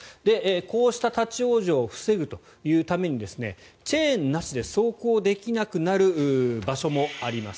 こうした立ち往生を防ぐというためにチェーンなしで走行できなくなる場所もあります。